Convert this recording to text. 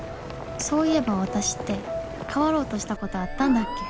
そういえばわたしって変わろうとしたことあったんだっけ？